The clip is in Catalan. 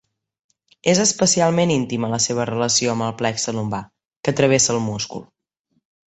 És especialment íntima la seva relació amb el plexe lumbar, que travessa el múscul.